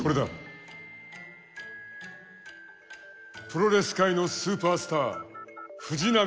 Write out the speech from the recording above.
プロレス界のスーパースター藤波辰爾。